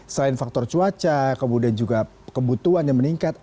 selain faktor cuaca kemudian juga kebutuhan yang meningkat